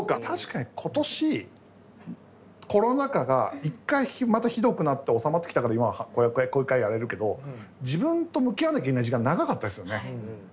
確かに今年コロナ禍が一回またひどくなって収まってきたから今はこういう会やれるけど自分と向き合わなきゃいけない時間長かったですよね。